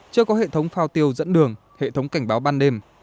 chưa có hệ thống phao tiêu dẫn đường hệ thống cảnh báo ban đêm